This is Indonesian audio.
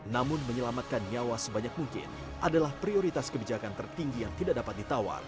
namun menyelamatkan nyawa sebanyak mungkin adalah prioritas kebijakan tertinggi yang tidak dapat ditawar